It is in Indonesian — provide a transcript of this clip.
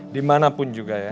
dimanapun juga ya